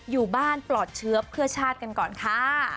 อยู่บ้านปลอดเชื้อเพื่อชาติกันก่อนค่ะ